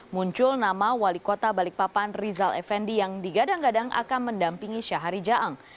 muncul nama wali kota balikpapan rizal effendi yang digadang gadang akan mendampingi syahari jaang